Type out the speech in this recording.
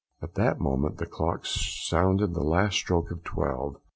At that moment the clock sounded the last stroke of twelve.